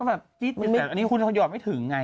อันนี้หยอดไม่ถึงไหน